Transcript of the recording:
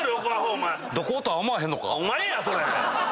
お前やそれ！